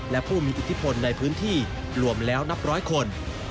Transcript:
และผู้มีอิทธิพลในพื้นที่รวมแล้วนับร้อยคน